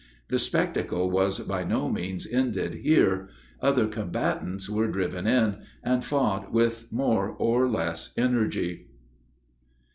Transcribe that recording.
The spectacle was by no means ended here. Other combatants were driven in, and fought with more or less energy.